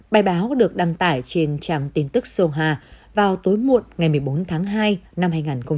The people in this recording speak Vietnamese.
bài báo được đăng tải trên trang tin tức soha vào tối muộn ngày một mươi bốn tháng hai năm hai nghìn hai mươi